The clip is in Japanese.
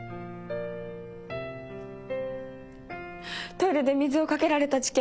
トイレで水を掛けられた事件。